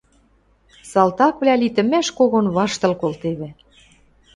Салтаквлӓ литӹмӓш когон ваштыл колтевӹ.